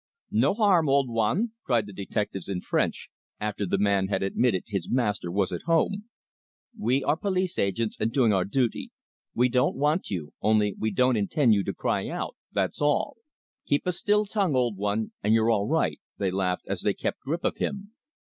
"No harm, old one!" cried the detectives in French, after the man had admitted his master was at home. "We are police agents, and doing our duty. We don't want you, only we don't intend you to cry out, that's all. Keep a still tongue, old one, and you're all right!" they laughed as they kept grip of him.